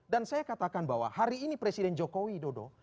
dan saya katakan bahwa hari ini presiden jokowi dodo